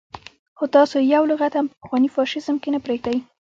خو تاسو يې يو لغت هم په پخواني فاشيزم کې نه پرېږدئ.